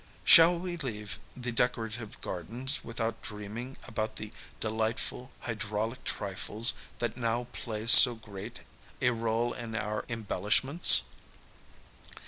Shall we leave the decorative gardens without dreaming about the delightful hydraulic trifles that now play so great a r$U in our embellishments